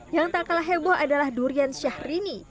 yang tak kalah heboh adalah durian syahrini